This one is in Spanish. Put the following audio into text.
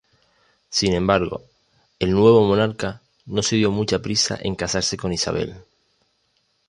Sin embargo, el nuevo monarca no se dio mucha prisa en casarse con Isabel.